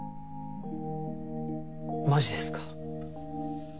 マジですか。